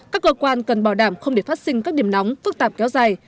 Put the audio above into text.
các cơ quan cần bảo đảm không để phát sinh các điểm nóng phức tạp kéo dài